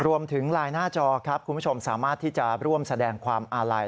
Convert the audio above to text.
รวมถึงไลน์หน้าจอครับคุณผู้ชมสามารถที่จะร่วมแสดงความอาลัย